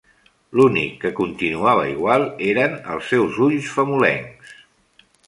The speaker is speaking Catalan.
L'únic que continuava igual eren els seus ulls famolencs.